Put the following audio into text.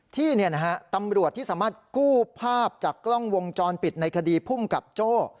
ที่ตำรวจที่สามารถกู้ภาพจากกล้องวงจรปิดในคดีภูมิกับโจ้